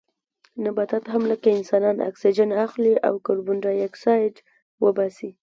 نباتات هم لکه انسانان اکسیجن اخلي او کاربن ډای اکسایډ وباسي